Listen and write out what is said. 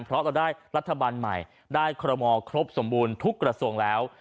เพราะเราได้รัฐบาลใหม่ได้คอรมอลครบสมบูรณ์ทุกกระทรวงแล้ว